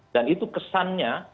dan itu kesannya